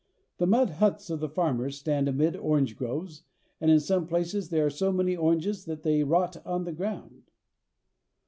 The mud huts of the farmers stand amid orange groves, and in some places there are so many oranges that they rot on the ground.